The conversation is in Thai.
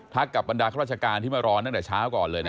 กับบรรดาข้าราชการที่มารอตั้งแต่เช้าก่อนเลย